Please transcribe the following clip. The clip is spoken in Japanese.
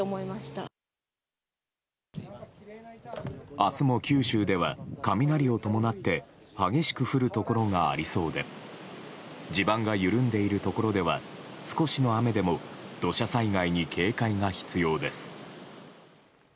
明日も九州では雷を伴って激しく降るところがありそうで地盤が緩んでいるところでは少しの雨でも土砂災害に警戒が必要です。